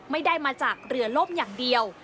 ไม่ได้มาจากเรือล่มอย่างเดียว